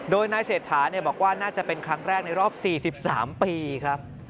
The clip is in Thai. โดยนายเศรษฐาบอกว่าน่าจะเป็นครั้งแรกในรอบ๔๓ปีครับ